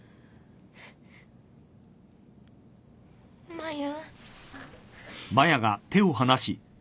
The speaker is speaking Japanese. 真矢。